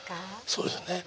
そうですよね。